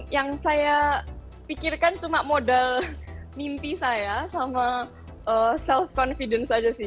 yang saya pikirkan cuma modal mimpi saya sama self confidence aja sih